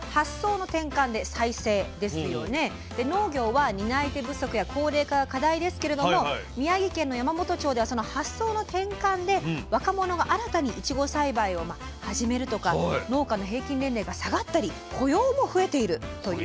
で農業は担い手不足や高齢化が課題ですけれども宮城県の山元町ではその発想の転換で若者が新たにいちご栽培を始めるとか農家の平均年齢が下がったり雇用も増えているという。